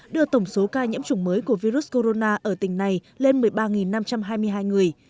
đưa tổng số ca nhiễm chủng mới của virus corona ở tỉnh này lên một mươi ba năm trăm hai mươi hai người